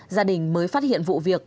gia đình mới phát hiện vụ việc